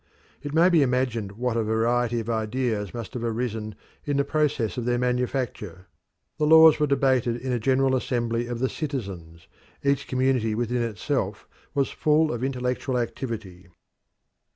It may be imagined what a variety of ideas must have risen in the process of their manufacture. The laws were debated in a general assembly of the citizens; each community within itself was full of intellectual activity.